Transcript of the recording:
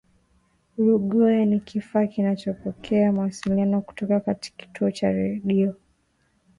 rungoya ni kifaa kinachopokea mawasiliano kutoka katika kituo cha redio